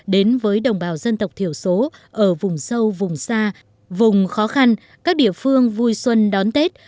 đến với đồng bào dân tộc thiểu số ở vùng sâu vùng xa vùng khó khăn các địa phương vui xuân đón tết